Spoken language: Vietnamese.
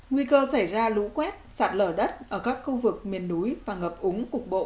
nguy cơ xảy ra lũ quét sạt lở đất ở các khu vực miền núi và ngập úng cục bộ